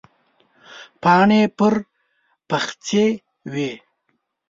پاڼې پر پخڅې وې.